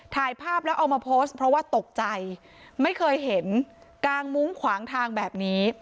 ถ่ายภาพแล้วเอามาโพสต์เพราะว่าตกใจไม่เคยเห็นกางมุ้งขวางทางแบบนี้